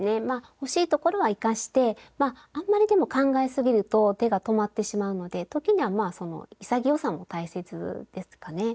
欲しいところは生かしてまああんまりでも考えすぎると手が止まってしまうので時にはまあ潔さも大切ですかね。